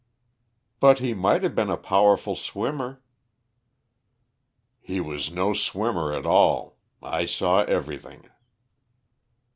"But he might have been a powerful swimmer." "He was no swimmer at all. I saw everything."